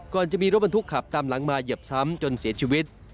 จะมีรถบรรทุกขับตามหลังมาเหยียบซ้ำจนเสียชีวิต